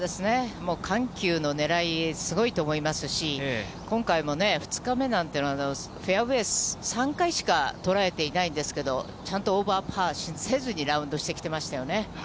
もう緩急のねらい、すごいと思いますし、今回もね、２日目なんていうのは、フェアウエー３回しか捉えていないんですけれども、ちゃんとオーバーパーせずにラウンドしてきてましたよね。